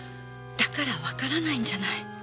だからわからないんじゃない。